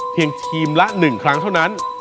เพียงทีมละหนึ่งครั้งเท่านั้น